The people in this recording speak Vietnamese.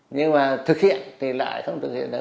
nhưng mà thực hiện thì lại không thực hiện được